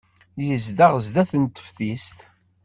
Yezdeɣ sdat teftist.